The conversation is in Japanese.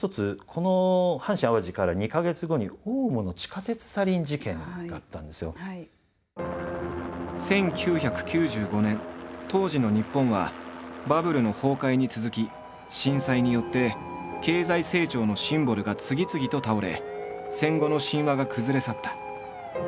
この阪神・淡路から２か月後に１９９５年当時の日本はバブルの崩壊に続き震災によって経済成長のシンボルが次々と倒れ戦後の神話が崩れ去った。